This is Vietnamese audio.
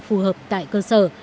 phù hợp tại cơ sở